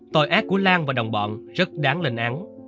tội ác của lan và đồng bọn rất đáng lên án